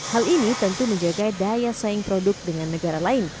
hal ini tentu menjaga daya saing produk dengan negara lain